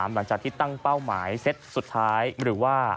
หลังจากที่ตั้งเป้าหมายเซตสุดท้ายหรือว่า